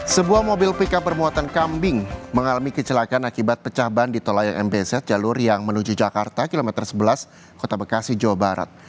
sebuah mobil pickup bermuatan kambing mengalami kecelakaan akibat pecah ban di tol layang mbz jalur yang menuju jakarta kilometer sebelas kota bekasi jawa barat